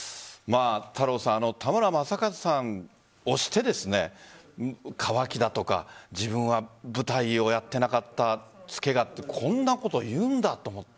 田村正和さんをして渇きだとか自分は舞台をやってなかったつけだとかこんなこと言うんだと思って。